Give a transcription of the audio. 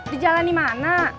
di jalan di mana